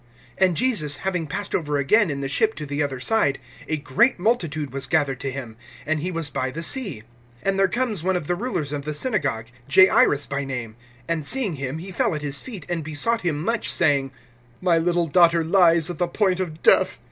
(21)And Jesus having passed over again in the ship to the other side, a great multitude was gathered to him; and he was by the sea. (22)And there comes one of the rulers of the synagogue, Jairus by name. And seeing him, he fell at his feet, (23)and besought him much, saying: My little daughter lies at the point of death.